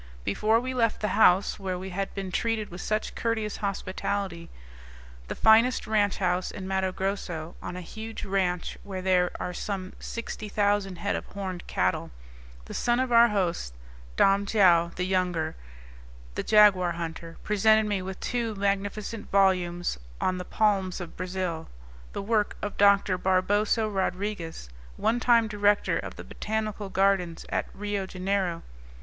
Before we left the house where we had been treated with such courteous hospitality the finest ranch house in Matto Grosso, on a huge ranch where there are some sixty thousand head of horned cattle the son of our host, Dom Joao the younger, the jaguar hunter, presented me with two magnificent volumes on the palms of Brazil, the work of Doctor Barboso Rodriguez, one time director of the Botanical Gardens at Rio Janeiro.